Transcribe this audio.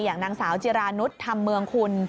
อย่างนางสาวจิรานุษย์ธรรมเมืองคุณ